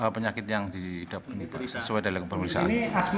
penyakit yang didapati sesuai dari pemeriksaan